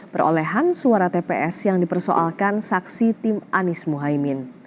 perolehan suara tps yang dipersoalkan saksi tim anies muhaymin